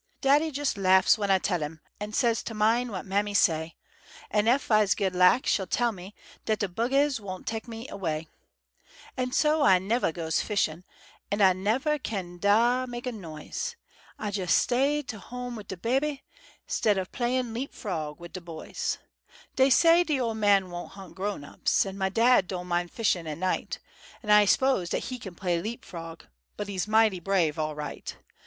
Daddy jes' lafs w'en ah tell 'im, An' says t' min' what mammy say, An' ef ah's good lak she tell me Dat de bugguhs won' tek me away. An' so ah nevuh goes fishin', An' ah nevuh kin da' mek a noise; Ah jes' stays t' home wid de baby, 'Stead o' playin' leap frog wid de boys. Dey say de ol' man won' hu't grown ups, An' mah dad don' min' fishin' at night; An' ah s'pose dat he kin play leap frog— But he's mighty brave all right.